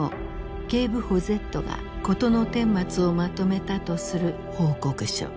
警部補Ｚが事のてんまつをまとめたとする報告書。